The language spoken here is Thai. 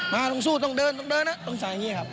มาต้องสู้ต้องเดินต้องเดินนะต้องใส่อย่างนี้ครับ